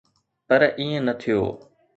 پر ائين نه ٿيو.